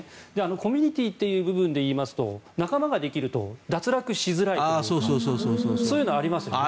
コミュニティーという部分でいいますと仲間ができると脱落しづらいというかそういうのありますよね。